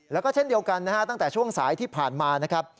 แล้วก็เช่นเดียวกันนะฮะตั้งแต่ช่วงสายที่ผ่านมานะครับ